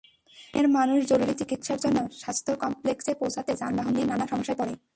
গ্রামের মানুষ জরুরি চিকিৎসার জন্য স্বাস্থ্য কমপ্লেক্সে পৌঁছাতে যানবাহন নিয়ে নানা সমস্যায় পড়ে।